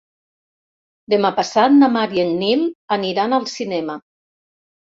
Demà passat na Mar i en Nil aniran al cinema.